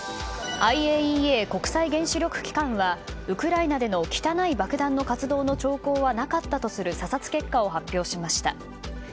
ＩＡＥＡ・国際原子力機関はウクライナでの汚い爆弾の活動の兆候はなかったとする査察結果を発表しました。